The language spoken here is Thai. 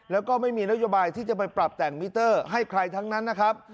แล้วก็ไม่มีนโยบายที่จะไปปรับแต่งมิเตอร์ให้ใครทั้งนั้นนะครับ